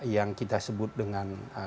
yang kita sebut dengan